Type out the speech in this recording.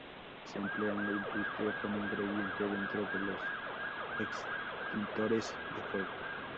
Se emplea en la industria como ingrediente dentro de los extintores de fuego.